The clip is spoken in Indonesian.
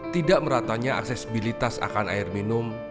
tidak meratanya aksesibilitas akan air minum